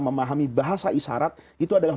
memahami bahasa isyarat itu adalah